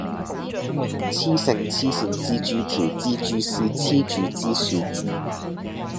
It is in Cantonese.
雌性黐線蜘蛛條蜘蛛絲黐住枝樹枝